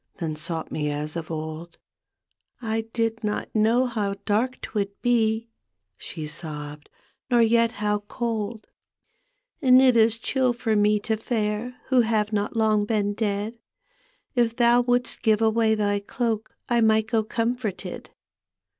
Then sought me as of old. " I did not know how dark 'twould be," She sobbed, "nor yet how cold. D,gt,, erihyGOOgle The Haunted Hour " And It is chill for me to fare Who have not long b«n dead. If thou wouldst give away thy cloak I mif^t go cwnforted."